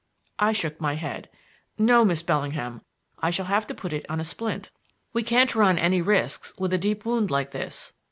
I shook my head. "No, Miss Bellingham. I shall have to put it on a splint. We can't run any risks with a deep wound like this."